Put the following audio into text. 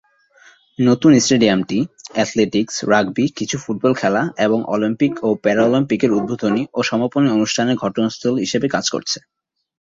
নতুন স্টেডিয়ামটি athletics, rugby, কিছু ফুটবল খেলা এবং অলিম্পিক ও প্যারা অলিম্পিকের উদ্বোধনী ও সমাপনী অনুষ্ঠানের ঘটনাস্থল হিসাবে কাজ করবে।